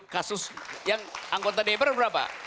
kasus yang anggota dpr berapa